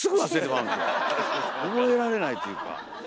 覚えられないというか。